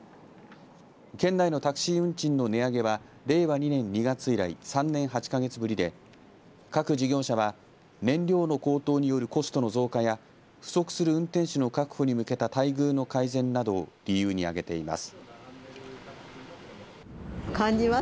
県内のタクシー運賃の値上げは令和２年２月以来３年８か月ぶりで各事業者は燃料の高騰によるコストの増加や不足する運転手の確保に向けた待遇の改善などを理由にあげています。